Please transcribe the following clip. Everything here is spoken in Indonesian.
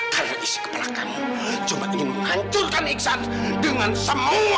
karena isi kepala kamu cuma ingin menghancurkan iksan dengan semua keluarnya